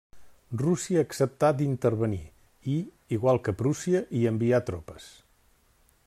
Rússia acceptà d'intervenir i, igual que Prússia, hi envià tropes.